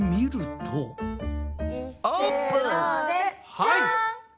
はい！